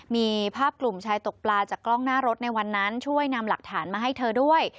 มีภาพกลุ่มชายตกปลาจากกล้องหน้ารถในวันนั้นช่วยนำหลักฐานมาให้เธอด้วย